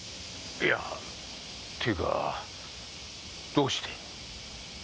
いやっていうかどうして？